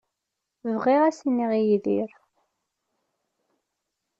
Bɣiɣ ad as-iniɣ i Yidir.